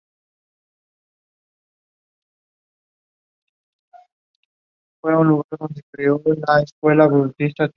En la sacristía se ha instalado un museo de arte religioso con objetos sacros.